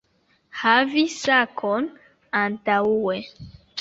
Havi sakon antaŭe